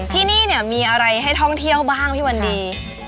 ที่นี่เนี่ยมีอะไรให้ท่องเที่ยวบ้างพี่วันดี